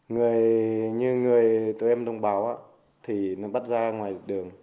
người như người tụi em đồng báo á thì nó bắt ra ngoài được đường